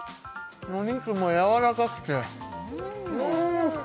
お肉もやわらかくてうん！